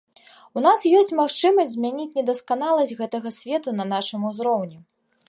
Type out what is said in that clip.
У нас ёсць магчымасць змяняць недасканаласць гэтага свету на нашым узроўні.